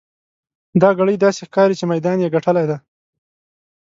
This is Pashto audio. دا ګړی داسې ښکاري چې میدان یې ګټلی دی.